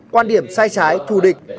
quan điểm sai trái thù địch